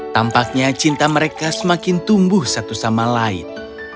tampaknya cinta mereka semakin tumbuh satu sama lain